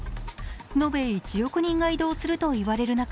延べ１億人が移動するといわれる中